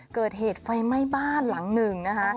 เกิดเหตุไฟไหม้บ้านหลังหนึ่งนะคะ